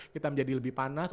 kita menjadi lebih panas